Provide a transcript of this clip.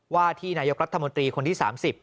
ว่าที่นายกรัฐมนตรีคนที่๓๐